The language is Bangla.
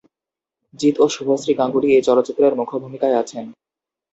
জিৎ ও শুভশ্রী গাঙ্গুলী এই চলচ্চিত্রের মুখ্য ভূমিকায় আছেন।